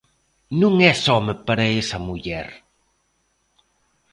Non es home para esa muller!